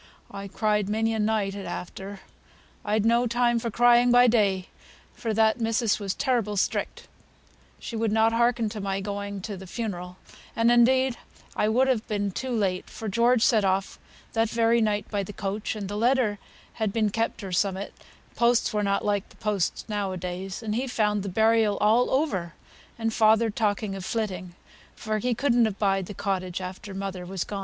I cried many a night at after; I'd no time for crying by day, for that missis was terrible strict; she would not hearken to my going to th' funeral; and indeed I would have been too late, for George set off that very night by th' coach, and th' letter had been kept or summut (posts were not like th' posts now a days), and he found the burial all over, and father talking o' flitting; for he couldn't abide the cottage after mother was gone."